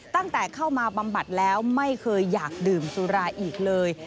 ตั้งแต่เข้ามาบำบัดแล้วไม่เคยอยากดื่มสุราอีกเลย